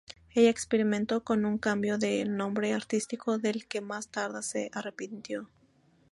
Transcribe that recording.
Ella experimentó con un cambio de nombre artístico del que más tarde se arrepintió.